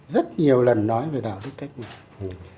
rất nhiều lần nói về đạo đức cách mạng